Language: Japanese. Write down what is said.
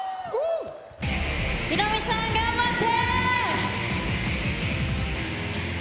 ヒロミさん、頑張って。